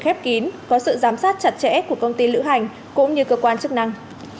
khép kín có sự giám sát chặt chẽ của công ty lữ hành cũng như cơ quan chức năng